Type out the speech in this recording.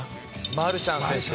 マルシャン選手。